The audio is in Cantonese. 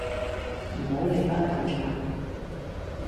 唔好理班粉腸